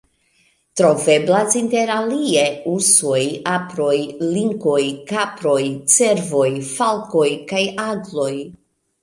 Troveblas inter alie ursoj, aproj, linkoj, kaproj, cervoj, falkoj kaj agloj.